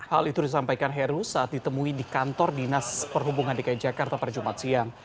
hal itu disampaikan heru saat ditemui di kantor dinas perhubungan dki jakarta pada jumat siang